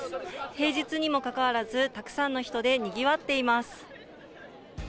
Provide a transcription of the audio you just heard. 平日にもかかわらず、たくさんの人でにぎわっています。